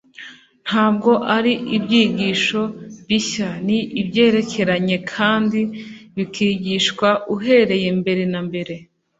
ntabwo ari ibyigisho bishya: ni ibyerekanyve kandi bikigishwa uhereye mbere na mbere.